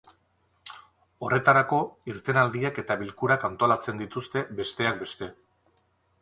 Horretarako, irtenaldiak eta bilkurak antolatzen dituzte, besteak beste.